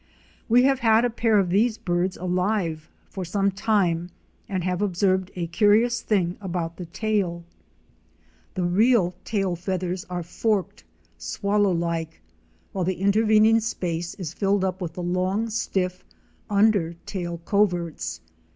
We have had a pair of these birds alive for some time and have observed a curious thing about the tail. The real tail 156 OUR SEARCH FOR A WILDERNESS. feathers are forked, swallow like, while the intervening space is filled up with the long, stiff under tail coverts.